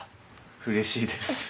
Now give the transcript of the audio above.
うれしいです。